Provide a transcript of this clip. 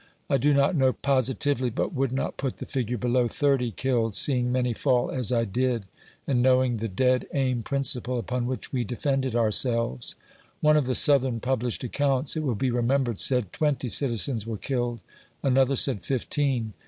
I do not know positively, but would not put the figure below thirty killed, Beeing many fall as I did, and knowing the " dead aim " principle upon which we defended ourselves. One of the Southern published accounts, it will be remembered, said twenty citizens were killed, another said fifteen.